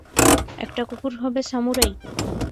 একটা কুকুর হবে সামুরাই?